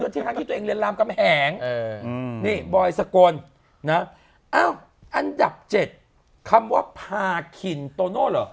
ด้วยแท้ค่าที่ตัวเองเรียนรามกำแหงนี่บอยสกลนะอันดับ๗คำว่าพาขินโตโน่หรอ